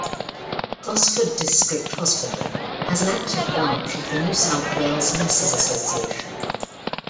Gosford District Hospital has an active branch of the New South Wales Nurses Association.